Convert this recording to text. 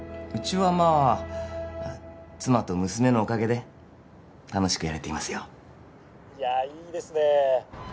うちはまあ妻と娘のおかげで楽しくやれていますよいやいいですねえ